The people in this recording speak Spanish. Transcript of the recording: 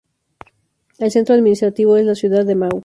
El centro administrativo es la ciudad de Mau.